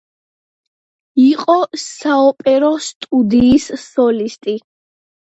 იყო საოპერო სტუდიის სოლისტი.